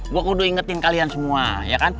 gua kudu ingetin kalian semua ya kan